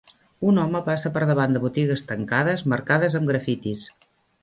Un home passa per davant de botigues tancades marcades amb grafitis.